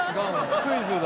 クイズだ。